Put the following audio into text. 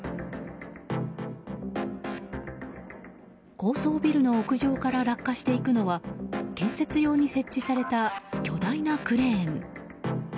高層ビルの屋上から落下していくのは建設用に設置された巨大なクレーン。